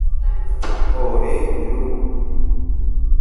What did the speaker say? Ore Ru